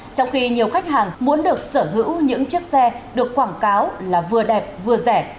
trong khi nhiều khách hàng muốn được sở hữu những chiếc xe được quảng cáo là vừa đẹp vừa rẻ